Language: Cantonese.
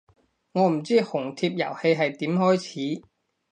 我唔知紅帖遊戲係點開始